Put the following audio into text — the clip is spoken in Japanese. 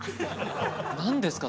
何ですか？